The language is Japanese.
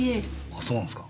あそうなんすか。